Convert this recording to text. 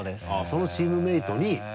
そのチームメートに。